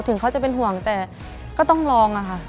ถึงเขาจะเป็นห่วงแต่ก็ต้องลองอะค่ะ